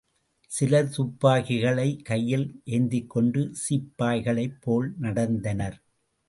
சிலர் துப்பாக்கிகளைக் கையில் ஏந்திக்கொண்டு சிப்பாய்களைப் போல் நடந்தனர்.